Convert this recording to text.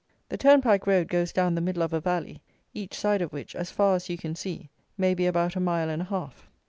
The turnpike road goes down the middle of a valley, each side of which, as far as you can see, may be about a mile and a half.